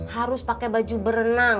harus pakai baju berenang